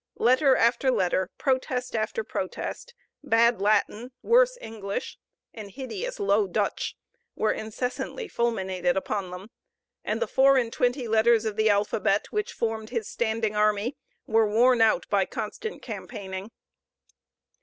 Letter after letter, protest after protest, bad Latin, worse English, and hideous Low Dutch, were incessantly fulminated upon them, and the four and twenty letters of the alphabet, which formed his standing army, were worn out by constant campaigning.